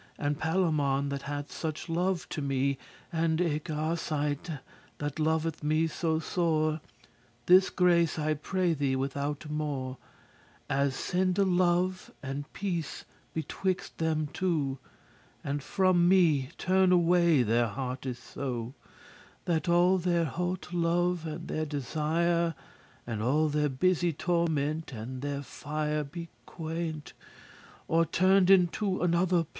And Palamon, that hath such love to me, And eke Arcite, that loveth me so sore, This grace I pray thee withoute more, As sende love and peace betwixt them two: And from me turn away their heartes so, That all their hote love, and their desire, And all their busy torment, and their fire, Be queint*, or turn'd into another place.